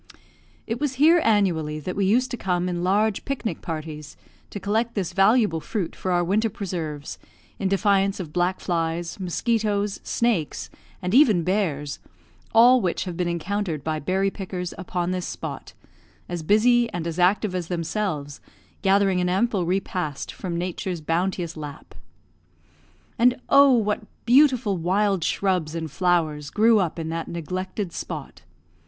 It was here annually that we used to come in large picnic parties, to collect this valuable fruit for our winter preserves, in defiance of black flies, mosquitoes, snakes, and even bears, all which have been encountered by berry pickers upon this spot, as busy and as active as themselves, gathering an ample repast from Nature's bounteous lap. And, oh! what beautiful wild shrubs and flowers grew up in that neglected spot!